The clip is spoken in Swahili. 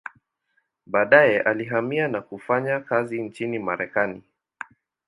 Baadaye alihamia na kufanya kazi nchini Marekani.